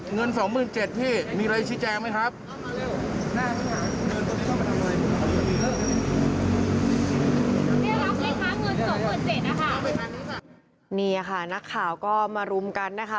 นี่ค่ะนักข่าวก็มารุมกันนะคะ